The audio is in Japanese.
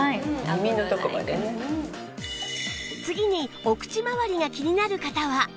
次にお口まわりが気になる方は